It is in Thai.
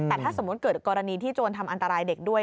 แต่ถ้าสมมุติเกิดกรณีที่โจรทำอันตรายเด็กด้วย